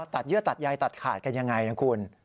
อ๋อตัดเยื่อตัดใยตัดขาดกันอย่างไรนะครับ